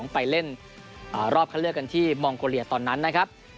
ไปเล่นรอบคันเลือกกันที่มองโกเลียตอนนั้นนะครับ